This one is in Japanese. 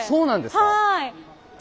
はい！